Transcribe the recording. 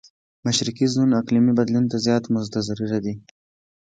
مشرقي زون اقليمي بدلون نه زيات متضرره دی.